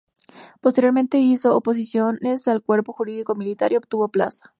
Posteriormente hizo oposiciones al Cuerpo Jurídico Militar, y obtuvo plaza.